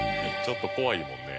ちょっと怖いもんね。